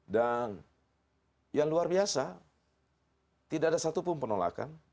dan yang luar biasa tidak ada satu pun penolakan